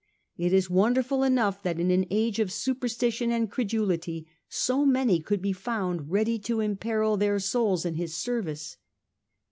It is wonderful enough that, in an age of superstition and credulity, so many could be found ready to imperil their souls in his service.